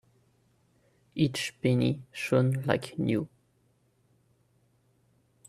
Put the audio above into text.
Each penny shone like new.